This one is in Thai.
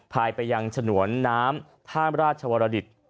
ภายไปยังฉะหนวนน้ำพระราชวรรดิษฐ์